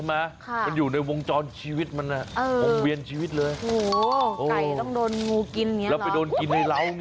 มันอยู่ในวงจรชีวิตมัน